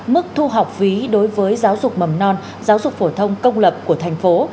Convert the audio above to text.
mức thu học phí đối với giáo dục mầm non giáo dục phổ thông công lập của thành phố